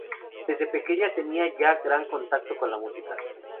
Desde pequeña tenía ya un gran contacto con la música.